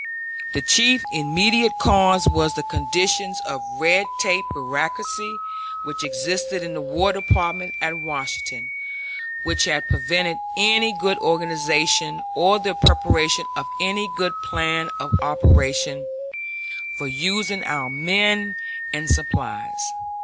The chief immediate cause was the conditions of red tape bureaucracy which existed in the War Department at Washington, which had prevented any good organization or the preparation of any good plan of operation for using our men and supplies.